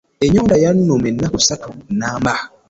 Ennyonta yanuma ennaku ssatu namba.